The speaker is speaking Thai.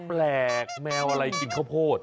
แปลกแมวอะไรกินข้าวโพด